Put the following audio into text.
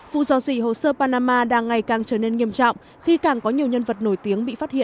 vụ dò dỉ hồ sơ panama đang ngày càng trở nên nghiêm trọng khi càng có nhiều nhân vật nổi tiếng bị phát hiện